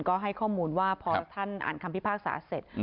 ก็ให้ข้อมูลว่าพอท่านอ่านคำพิพากษาเสร็จ